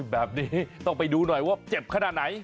แบบนี้ต้องไปดูหน่อยว่าเจ็บขนาดไหน